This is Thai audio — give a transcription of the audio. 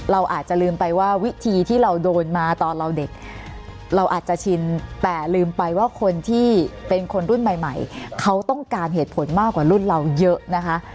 เราอาจจะลืมไปว่าวิธีที่เราโดนมาตอนเราเด็กเราอาจจะชินแต่ลืมไปว่าคนที่เป็นคนรุ่นใหม่เขาต้องการเหตุผลมากกว่ารุ่นเราเยอะนะคะ